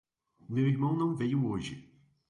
Meu irmão não veio hoje.